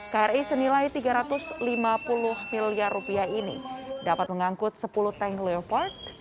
kri senilai tiga ratus lima puluh miliar rupiah ini dapat mengangkut sepuluh tank leopard